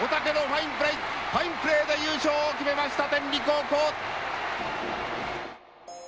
ファインプレーで優勝を決めました天理高校。